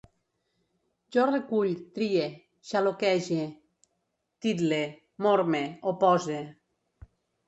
Jo recull, trie, xaloquege, title, morme, opose